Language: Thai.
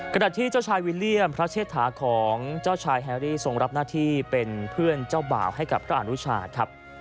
ขณะที่เจ้าชายวิลเลี่ยมพระเชษฐาของเจ้าชายแฮรี่ทรงรับหน้าที่เป็นเพื่อนเจ้าบ่าวให้กับพระอนุชาครับ